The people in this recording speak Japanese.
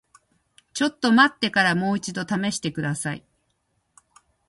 ちょっと待ってからもう一度試してください。